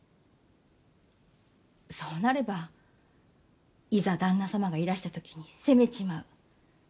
そうなれば、いざ旦那様がいらした時に責めちまう。